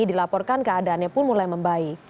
dilaporkan keadaannya pun mulai membaik